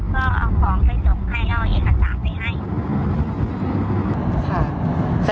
ก็เอาของไปส่งให้แล้วเอาเอียดขัดสาวไปให้